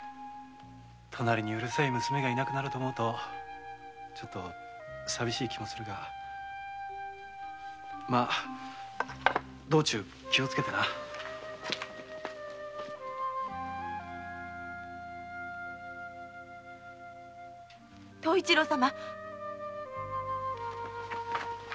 隣にうるさい娘が居なくなると思うと少々さびしい気もするがまぁ道中気をつけてな東一郎様